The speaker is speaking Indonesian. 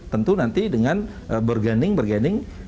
tentu nanti dengan bergening bergening